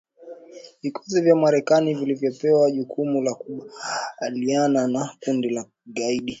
Vikosi vya Marekani vilivyopewa jukumu la kukabiliana na kundi la kigaidi